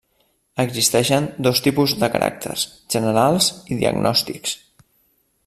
Existeixen dos tipus de caràcters: generals i diagnòstics.